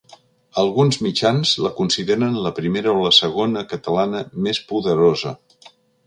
Alguns mitjans la consideren la primera o la segona catalana més poderosa.